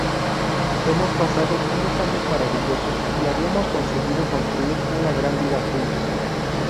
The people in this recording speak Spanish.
Hemos pasado unos años maravillosos y habíamos conseguido construir una gran vida juntos.